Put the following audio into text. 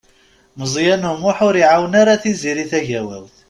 Meẓyan U Muḥ ur iɛawen ara Tiziri Tagawawt.